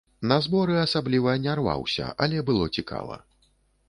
На зборы асабліва не рваўся, але было цікава.